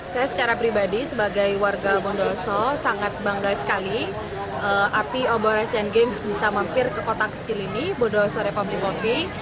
saya secara pribadi sebagai warga bondoso sangat bangga sekali api obor asian games bisa mampir ke kota kecil ini bondosore public kopi